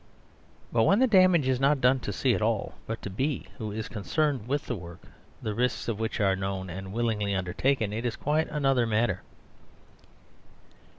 But when the damage is not done to C at all, but to B, who is concerned with a work the risks of which are known and willingly undertaken, it is quite an other matter.